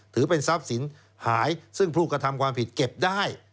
ถือเป็นทรัพย์สินหายซึ่งผู้กระทำความผิดเก็บได้